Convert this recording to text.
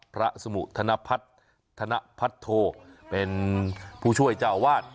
พระสมุธนพัทธโธเป็นผู้ช่วยเจ้าอาวาส